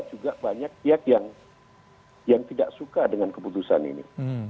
juga banyak pihak yang tidak suka dengan keputusan ini